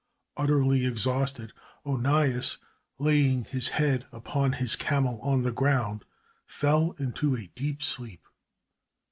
Utterly exhausted, Onias, laying his head upon his camel on the ground, fell into a deep sleep.